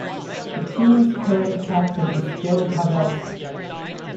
The team's current captain is Joe Pavelski.